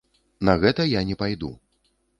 На гэта я не пайду.